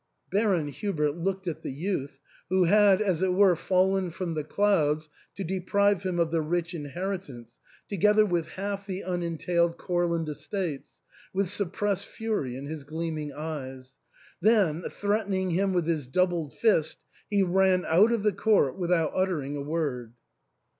Baron Hubert looked at the youth, who had, as it were, fallen from the clouds to deprive him of the rich inheritance together with half the unen tailed Courland estates, with suppressed fury in his gleaming eyes ; then, threatening him with his doubled fist, he ran out of the court without uttering a word.